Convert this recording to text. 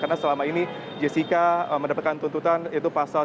karena selama ini jessica mendapatkan tuntutan itu pasal tiga ratus empat puluh